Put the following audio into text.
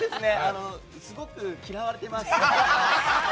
すごく嫌われてます。